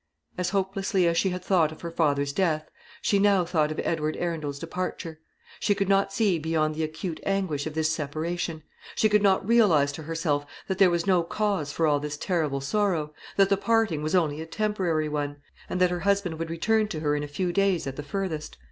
As hopelessly as she had thought of her father's death, she now thought of Edward Arundel's departure. She could not see beyond the acute anguish of this separation. She could not realise to herself that there was no cause for all this terrible sorrow; that the parting was only a temporary one; and that her husband would return to her in a few days at the furthest.